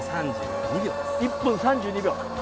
１分３２秒。